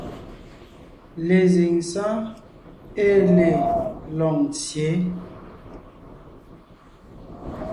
Lezíŋ sɔ́ɔn ée le Loŋtsyě,